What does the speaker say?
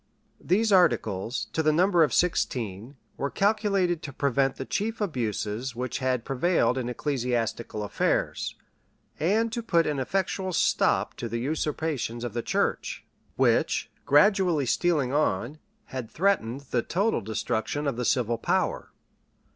These articles, to the number of sixteen, were calculated to prevent the chief abuses which had prevailed in ecclesiastical affairs, and to put an effectual stop to the usurpations of the church, which, gradually stealing on, had threatened the total destruction of the civil power.